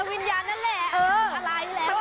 วิญญาณนั่นแหละอะไรแหละว่ะ